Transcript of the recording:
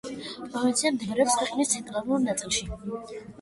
პროვინცია მდებარეობს ქვეყნის ცენტრალურ ნაწილში.